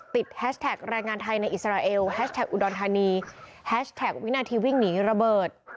แฮชแท็กแรงงานไทยในอิสราเอลแฮชแท็กอุดรธานีแฮชแท็กวินาทีวิ่งหนีระเบิด